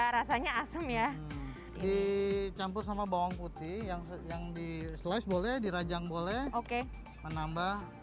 rasanya asem ya dicampur sama bawang putih yang yang di slice boleh dirajang boleh oke menambah